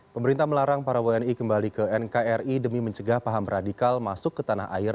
pemerintah melarang para wni kembali ke nkri demi mencegah paham radikal masuk ke tanah air